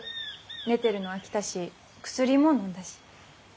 寝てるの飽きたし薬ものんだし。